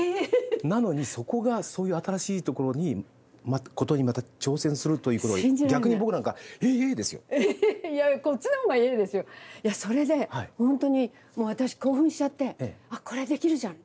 なのにそこがそういう新しいことにまた挑戦するということが逆に僕なんか「ええ！」ですよ。いやこっちのほうが「ええ！」ですよ！いやそれで本当にもう私興奮しちゃって「あっ！これできるじゃん！」。